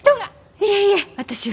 いえいえ私は。